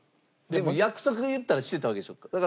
でも約束いったらしてたわけでしょ？